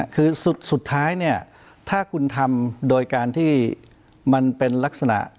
คือสุดท้ายเนี่ยถ้าคุณทำโดยการที่มันเป็นลักษณะ